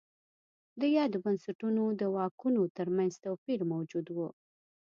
د یادو بنسټونو د واکونو ترمنځ توپیر موجود و.